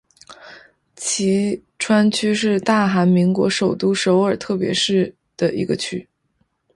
衿川区是大韩民国首都首尔特别市的一个区。